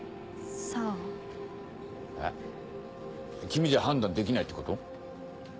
君じゃ判断できないってこと？